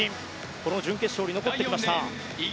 この準決勝に残ってきました。